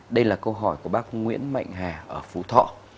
đây là câu hỏi của bác nguyễn mạnh hà ở phú thọ